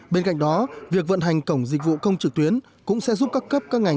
bên cạnh đó việc vận hành cổng dịch vụ công trực tuyến cũng sẽ giúp các cấp các ngành